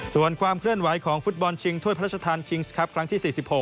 ส่วนความเคลื่อนไหวของฟุตบอลชิงถ้วยพระราชทานคิงส์ครับครั้งที่๔๖